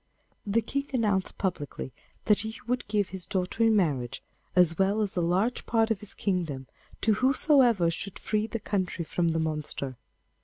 The King announced publicly that he would give his daughter in marriage, as well as a large part of his kingdom, to whosoever should free the country from the monster.